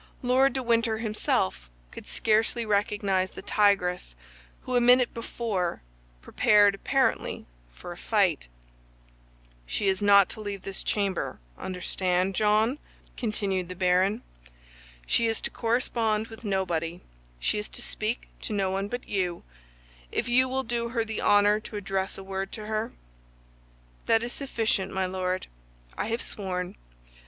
Lord de Winter himself could scarcely recognize the tigress who, a minute before, prepared apparently for a fight. "She is not to leave this chamber, understand, John," continued the baron. "She is to correspond with nobody; she is to speak to no one but you—if you will do her the honor to address a word to her." "That is sufficient, my Lord! I have sworn."